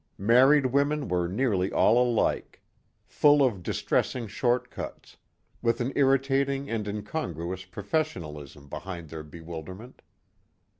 Married women were nearly all alike. Full of distressing short cuts, with an irritating and incongruous professionalism behind their bewilderment.